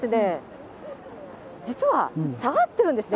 実は、下がってるんですね。